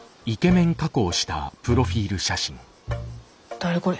誰これ。